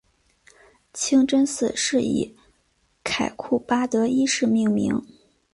清真寺是以凯库巴德一世命名。